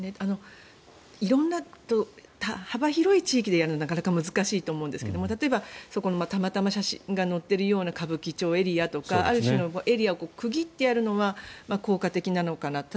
色んな幅広い地域でやるのはなかなか難しいと思うんですが例えば、たまたま写真が載っているような歌舞伎町エリアとかある種区切ってやるのは効果的なのかな。